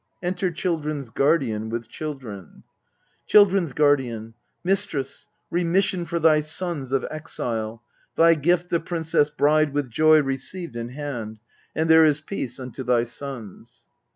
Enter CHILDREN'S GUARDIAN, with CHILDREN Children s Guardian. Mistress, remission for thy sons of exile! Thy gift the princess bride with joy received In hand ; and there is peace unto thy sons.